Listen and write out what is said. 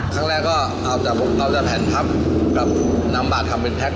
ครั้งแรกก็เอาจากแผ่นทัพกับน้ำบาททำเป็นแพ็ค